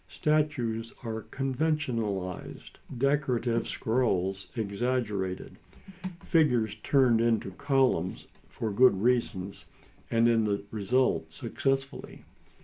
Statues are conventionalised, decorative scrolls exaggerated, figures turned into columns for good reasons, and in the result successfully.